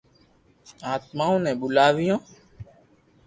آتمائون ني ٻولاويو